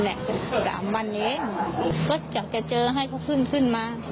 นั่นแหละสามวันนี้ก็จะเจอให้เขาขึ้นขึ้นมา